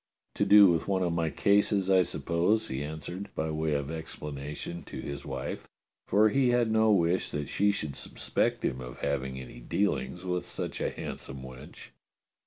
"To do with one of my cases, I suppose," he answered, by way of explanation, to his wife, for he had no wish that she should suspect him of having any dealings with such a handsome wench.